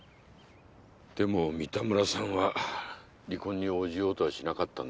でも三田村さんは離婚に応じようとはしなかったんでしょ。